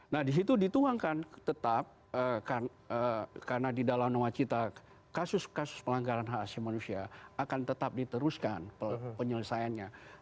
nah disitu dituangkan tetap karena di dalam nawacita kasus kasus pelanggaran hak asasi manusia akan tetap diteruskan penyelesaiannya